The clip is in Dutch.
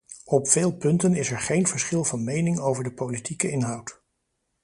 Op veel punten is er geen verschil van mening over de politieke inhoud.